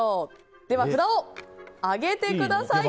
では札を上げてください。